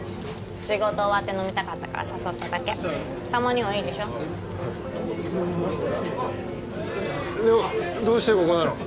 仕事終わって飲みたかったから誘っただけたまにはいいでしょでもどうしてここなの？